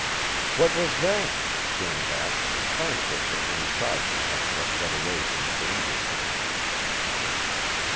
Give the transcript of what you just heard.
"What was that?" Janet asked, thankful for any side path that led away from the danger point.